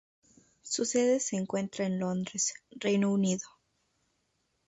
Su sede se encuentra en Londres, Reino Unido.